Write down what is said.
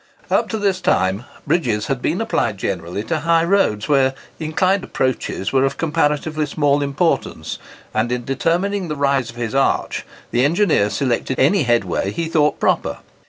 Up to this time, bridges had been applied generally to high roads where inclined approaches were of comparatively small importance, and in determining the rise of his arch the engineer selected any headway he thought proper.